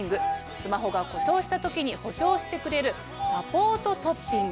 スマホが故障した時に補償してくれるサポートトッピングです。